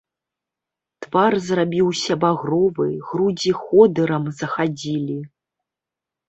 Твар зрабіўся багровы, грудзі ходырам захадзілі.